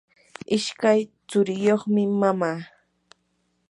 ishkay churiyuqmi mama.